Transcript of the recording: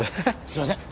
「すいません」